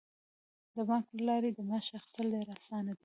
د بانک له لارې د معاش اخیستل ډیر اسانه دي.